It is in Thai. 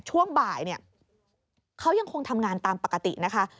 ช่วงบ่ายเนี่ยเขายังคงทำงานตามปกตินะคะ